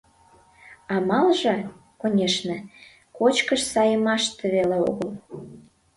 Амалже, конешне, кочкыш саеммаште веле огыл.